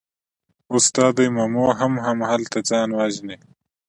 اوس دا دی مومو هم هملته ځان وژني.